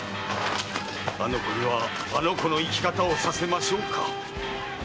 あの子にはあの子の生き方をさせましょうか。